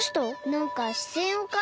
なんかしせんをかんじたの。